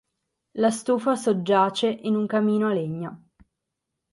La stufa soggiace in un camino a legna.